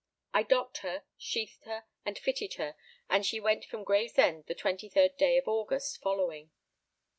I docked her, sheathed her, and fitted her, and she went from Gravesend the 23rd day of August following.